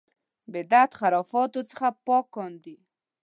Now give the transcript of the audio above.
بدعت خرافاتو څخه پاک کاندي.